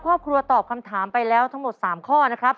ครอบครัวตอบคำถามไปแล้วทั้งหมด๓ข้อนะครับ